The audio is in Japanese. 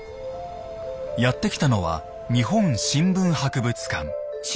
やって来たのは日本新聞博物館。